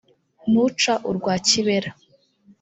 ntuca urwa kibera